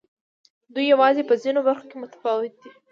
دوی یوازې په ځینو برخو کې متفاوت دي.